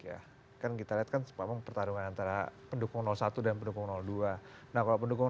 ya kan kita lihat kan sepakung pertarungan antara pendukung satu dan pendukung dua nah kalau pendukung